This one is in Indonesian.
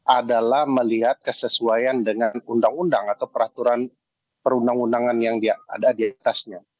adalah melihat kesesuaian dengan undang undang atau peraturan perundang undangan yang ada di atasnya